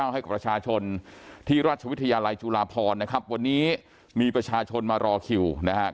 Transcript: ให้กับประชาชนที่ราชวิทยาลัยจุฬาพรนะครับวันนี้มีประชาชนมารอคิวนะครับ